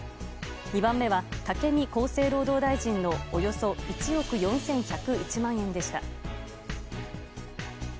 ２番目は武見厚生労働大臣のおよそ１億４１０１万円でした。